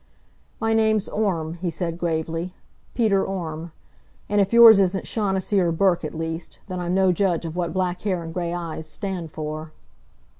"My name's Orme," he said, gravely. "Peter Orme. And if yours isn't Shaughnessy or Burke at least, then I'm no judge of what black hair and gray eyes stand for."